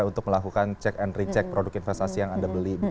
untuk melakukan cek and recheck produk investasi yang anda beli